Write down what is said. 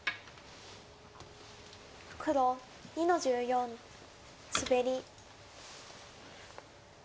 黒２の十四スベリ。